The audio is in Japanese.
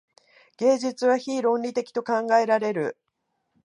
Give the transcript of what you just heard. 芸術は非論理的と考えられる。